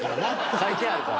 書いてあるから。